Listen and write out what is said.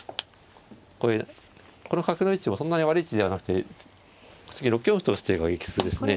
この角の位置もそんなに悪い位置ではなくて次６四歩と打つ手がいきそうですね。